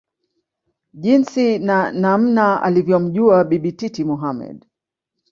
jinsi na namna alivyomjua Bibi Titi Mohamed